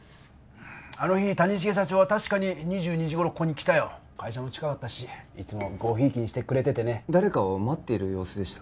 あの日谷繁社長はたしかに２２時頃ここに来たよ会社も近かったしいつもごひいきにしてくれて誰かを待っている様子でした？